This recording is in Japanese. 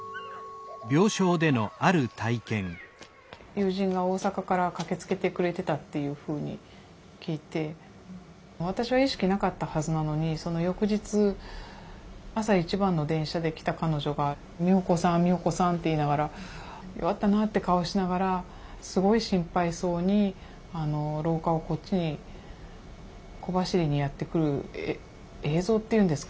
友人が大阪から駆けつけてくれてたっていうふうに聞いて私は意識なかったはずなのにその翌日朝一番の電車で来た彼女が「美穂子さん美穂子さん」って言いながら弱ったなって顔しながらすごい心配そうに廊下をこっちに小走りにやって来る映像っていうんですかね